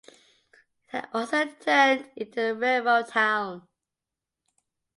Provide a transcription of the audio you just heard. It had also turned into a railroad town.